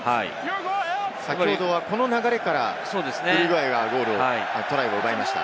先ほどは、この流れからウルグアイがゴールをトライを奪いました。